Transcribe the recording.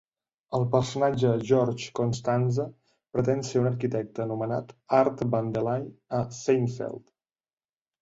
El personatge George Costanza pretén ser un arquitecte anomenat "Art Vandelay" a "Seinfeld".